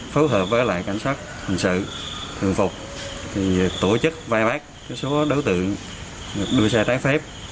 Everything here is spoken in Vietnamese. phối hợp với lại cảnh sát hình sự thường phục tổ chức vai bác số đối tượng đua xe trái phép